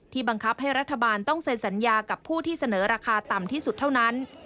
บังคับให้รัฐบาลต้องเซ็นสัญญากับผู้ที่เสนอราคาต่ำที่สุดเท่านั้น